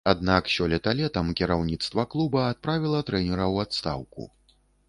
Аднак сёлета летам кіраўніцтва клуба адправіла трэнера ў адстаўку.